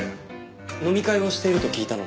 飲み会をしていると聞いたので。